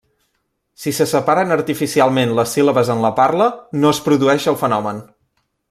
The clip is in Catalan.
Si se separen artificialment les síl·labes en la parla, no es produeix el fenomen.